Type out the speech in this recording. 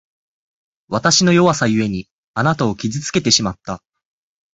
わたしの弱さゆえに、あなたを傷つけてしまった。